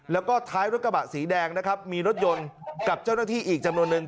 แล้วก็ท้ายรถกระบะสีแดงนะครับมีรถยนต์กับเจ้าหน้าที่อีกจำนวนนึง